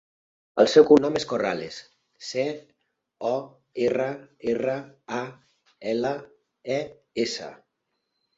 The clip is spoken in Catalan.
El seu cognom és Corrales: ce, o, erra, erra, a, ela, e, essa.